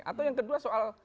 atau yang kedua soal